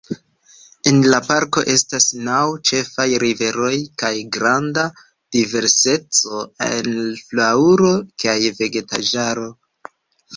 En la parko estas naŭ ĉefaj riveroj kaj granda diverseco en flaŭro kaj vegetaĵaro.